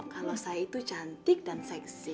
kalau saya itu cantik dan seksi